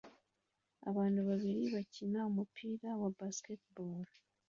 Abantu babiri bakina umupira wa baseball